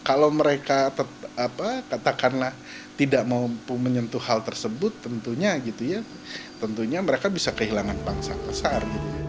kalau mereka katakanlah tidak mampu menyentuh hal tersebut tentunya mereka bisa kehilangan bangsa besar